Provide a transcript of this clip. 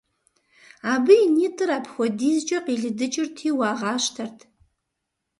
Абы и нитӀыр апхуэдизкӀэ къилыдыкӀырти, уагъащтэрт.